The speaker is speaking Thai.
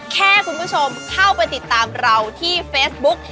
แค่คุณผู้ชมเข้าไปติดตามเราที่เฟซบุ๊ก